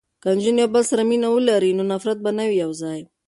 که نجونې یو بل سره مینه ولري نو نفرت به نه وي ځای.